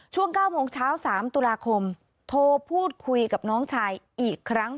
ช่วง๙โมงเช้า๓ตุลาคมโทรพูดคุยกับน้องชายอีกครั้ง